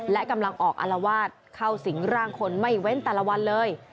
และกำลังออกอารวาสเข้าสิงร่างคนไม่เว้นแต่ละวันเลย